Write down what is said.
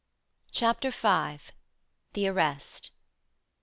CHAPTER V. THE ARREST.